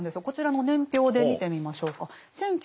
こちらの年表で見てみましょうか。